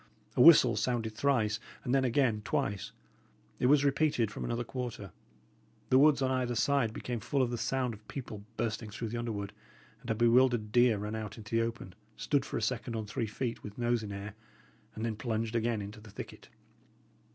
A whistle sounded thrice, and then again twice. It was repeated from another quarter. The woods on either side became full of the sound of people bursting through the underwood; and a bewildered deer ran out into the open, stood for a second on three feet, with nose in air, and then plunged again into the thicket.